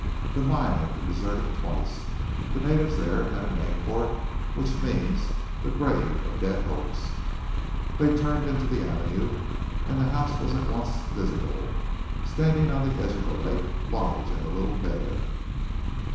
The mine had been deserted twice. The natives there had a name for it which means the Grave of Dead Hopes!" They turned into the avenue, and the house was at once visible, standing on the edge of a lake, large and a little bare.